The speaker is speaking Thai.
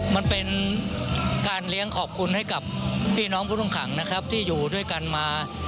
มันเป็นการเลี้ยงขอบคุณให้กับพี่น้องผู้ต้องขังนะครับที่อยู่ด้วยกันมา